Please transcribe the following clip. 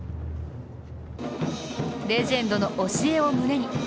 レジェンドの教えを胸に。